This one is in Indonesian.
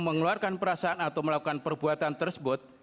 mengeluarkan perasaan atau melakukan perbuatan tersebut